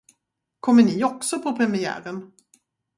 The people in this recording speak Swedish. Kommer ni också på premiären?